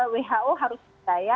who harus berdaya